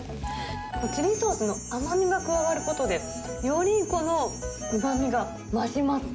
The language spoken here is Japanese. チリソースの甘みが加わることで、よりこのうまみが増します。